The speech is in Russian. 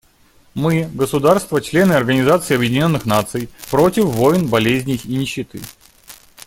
Мы, государства — члены Организации Объединенных Наций, против войн, болезней и нищеты.